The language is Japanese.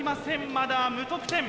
まだ無得点。